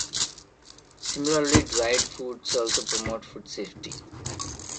Similarly, dried foods also promote food safety.